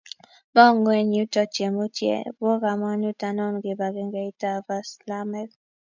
Mong'u eng' yuto tyemutie, bo kamunut anonon kibagengeitab Islamek?